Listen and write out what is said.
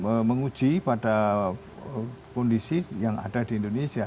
kita menguji pada kondisi yang ada di indonesia